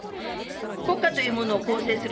国家というものを構成する